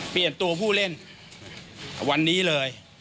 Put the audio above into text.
เปลี่ยนตัวผู้เล่นวันนี้เลย